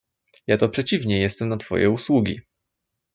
"ja to przeciwnie jestem na twoje usługi."